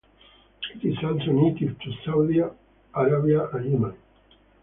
It is also native to Saudi Arabia and Yemen.